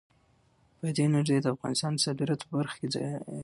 بادي انرژي د افغانستان د صادراتو په برخه کې راځي.